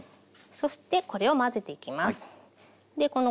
そしてこれを混ぜていきます。